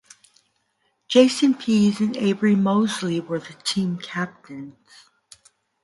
Jason Pease and Avery Moseley were the team captains.